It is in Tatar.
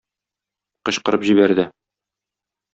кычкырып җибәрде.